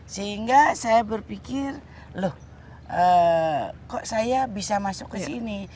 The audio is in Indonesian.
sehingga saya berpikir loh kok saya bisa masuk ke sini